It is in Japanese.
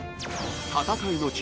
戦いの地